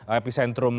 episentrum di mana